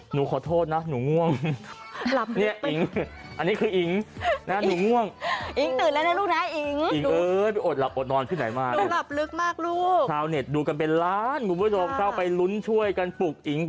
หนูขอโทษนะหนูง่วงอันนี้คืออิ่งนะหนูง่วง